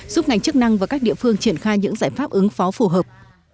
giúp ngành chức năng và các địa phương triển khai những giải pháp ứng phó phù hợp